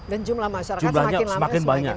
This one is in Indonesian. dan jumlah masyarakat semakin lama semakin banyak